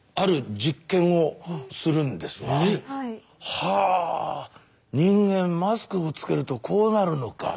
はぁ人間マスクをつけるとこうなるのか。